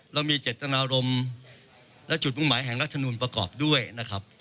เรามีเจตนารมณ์และจุดมุ่งหมายแห่งรัฐมนูลประกอบด้วยนะครับ